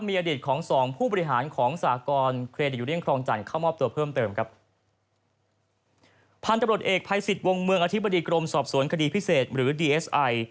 มีอดีตของสองผู้บริหารของสากรเครดิตยูเนียนครองจันทร์เข้ามอบตัวเพิ่มเติมครับพันธุ์ตำรวจเอกภัยสิทธิ์วงเมืองอธิบดีกรมสอบสวนคดีพิเศษหรือดีเอสไอ